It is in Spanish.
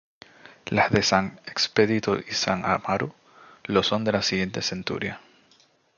Las de san Expedito y san Amaro lo son de la siguiente centuria.